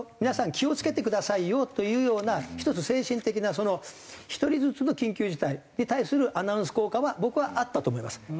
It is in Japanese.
皆さん気を付けてくださいよというような１つ精神的な１人ずつの緊急事態に対するアナウンス効果は僕はあったと思います。